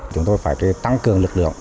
chúng tôi phải tăng cường lực lượng